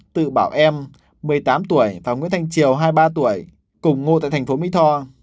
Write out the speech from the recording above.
tự bảo em một mươi tám tuổi và nguyễn thanh triều hai mươi ba tuổi cùng ngụ tại thành phố mỹ tho